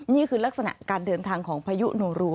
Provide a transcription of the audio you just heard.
นี่คือลักษณะการเดินทางของพายุโนรู